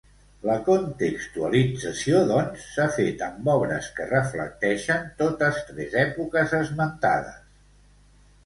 La contextualització, doncs, s'ha fet amb obres que reflecteixen totes tres èpoques esmentades.